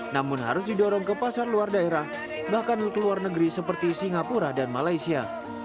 namun harus didorong ke pasar luar daerah bahkan ke luar negeri seperti singapura dan malaysia